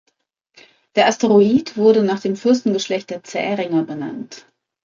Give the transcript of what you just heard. Der Asteroid wurde nach dem Fürstengeschlecht der Zähringer benannt.